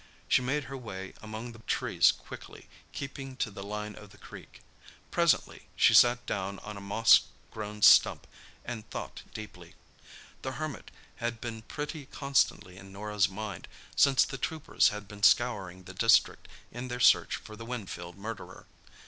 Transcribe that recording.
She made her way among the trees quickly, keeping to the line of the creek. Presently she sat down on a moss grown stump and thought deeply. The Hermit had been pretty constantly in Norah's mind since the troopers had been scouring the district in their search for the Winfield murderer.